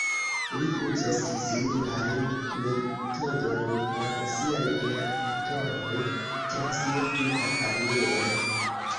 Li uzos similajn metodojn por siaj geaktoroj tra sia tuta kariero.